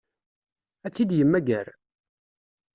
Ad tt-id-yemmager?